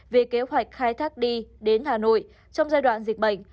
về kế hoạch khai thác đi đến hà nội trong giai đoạn dịch bệnh